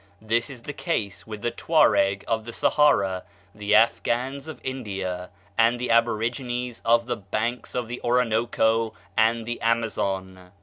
This is the case with the Tuareg of the Sahara, the Afghans of India, and the aborigines of the banks of the Oronoco and the Amazon."